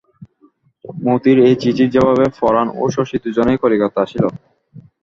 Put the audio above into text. মতির এই চিঠির জবাবে পরাণ ও শশী দুজনেই কলিকাতা আসিল।